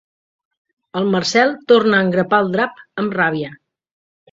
El Marcel torna a engrapar el drap amb ràbia.